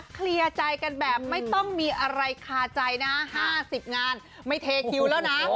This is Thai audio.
เคลียร์ใจกันแบบไม่ต้องมีอะไรคาใจนะ๕๐งานไม่เทคิวแล้วนะ